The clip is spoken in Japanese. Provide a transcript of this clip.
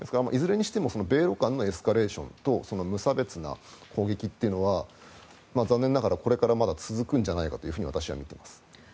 いずれにしても米ロ間のエスカレーションと無差別な攻撃は残念ながらこれから続くんじゃないかと私は見ています。